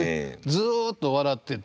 ずっと笑っててね。